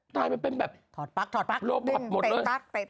ตายไปเป็นแบบโลกหมดเลยถอดปั๊กถอดปั๊ก